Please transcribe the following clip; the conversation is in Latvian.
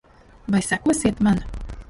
Vai sekosiet man?